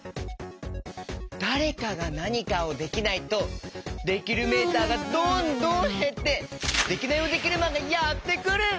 だれかがなにかをできないとできるメーターがどんどんへってデキナイヲデキルマンがやってくる！